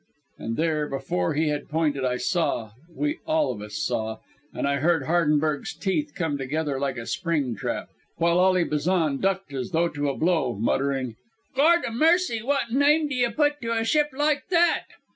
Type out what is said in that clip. And there, before he had pointed, I saw we all of us saw And I heard Hardenberg's teeth come together like a spring trap, while Ally Bazan ducked as though to a blow, muttering: "Gord 'a' mercy, what nyme do ye put to' a ship like that?"